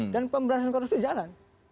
dan pemberantasan korupsi jalan